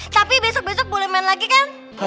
tapi besok besok boleh main lagi kan